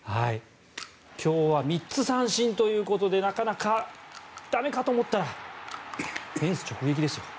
今日は３つ三振ということでなかなか駄目かと思ったらフェンス直撃ですよ。